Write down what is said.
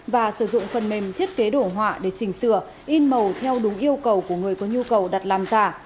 và sử dụng phần mềm thiết kế đổ họa để chỉnh sửa in màu theo đúng yêu cầu của người có nhu cầu đặt làm giả